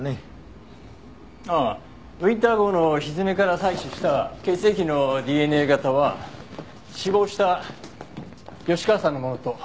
ああウィンター号の蹄から採取した血液のＤＮＡ型は死亡した吉川さんのものと一致しました。